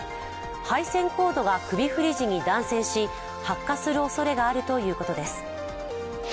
配線コードが首振り時に断線し発火するおそれがあるということです。